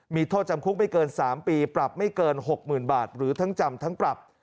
มีโทษจำคุกไม่เกิน๓ปีปรับไม่เกิน๖๐๐๐บาทหรือทั้งจำทั้งปรับ